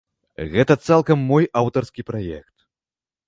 Гэта цалкам мой аўтарскі праект.